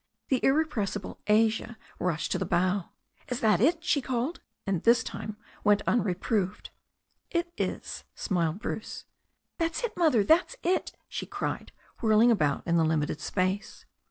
The irrepressible Asia rushed to the bow. "Is that it?" she called, and this time went unreproved. "It is," smiled Bruce. "That's it. Mother, that's it !" she cried, whirling about in the limited space.